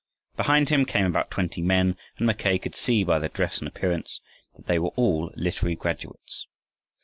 Behind him came about twenty men, and Mackay could see by their dress and appearance that they were all literary graduates.